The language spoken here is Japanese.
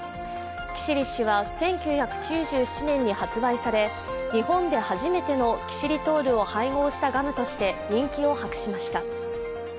キシリッシュは１９９７年に発売され日本で初めてのキシリトールを配合したガムとして人気を博しました。